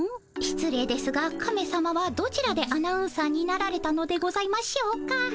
しつ礼ですがカメさまはどちらでアナウンサーになられたのでございましょうか？